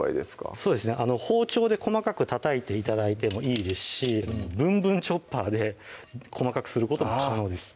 そうですね包丁で細かくたたいて頂いてもいいですし「ぶんぶんチョッパー」で細かくすることも可能です